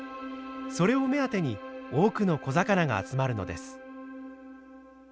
それを目当てに多くの小魚が集まるのです。